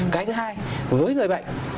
cái thứ hai với người bệnh